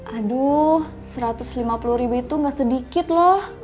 aduh seratus lima puluh ribu itu gak sedikit loh